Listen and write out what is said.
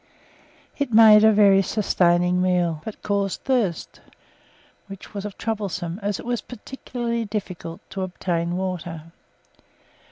It made a very sustaining meal, but caused thirst, which was troublesome, as it was particularly difficult to obtain water.